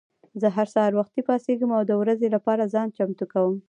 زه هر سهار وختي پاڅېږم او د ورځې لپاره ځان چمتو کوم.